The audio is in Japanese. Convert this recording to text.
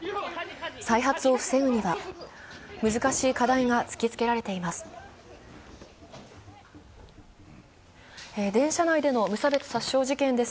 再発を防ぐには、難しい課題が突きつけられています。